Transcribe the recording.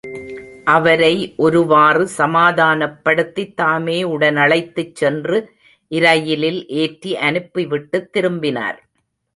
அவரை ஒருவாறு சமாதானப் படுத்தித் தாமே உடனழைத்துச் சென்று இரயிலில் ஏற்றி அனுப்பிவிட்டுத் திரும்பினார்.